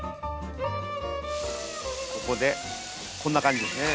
ここでこんな感じですね。